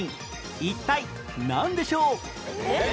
一体なんでしょう？